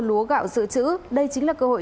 lúa gạo dự trữ đây chính là cơ hội